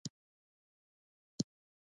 زه د حیواناتو نومونه لیکم.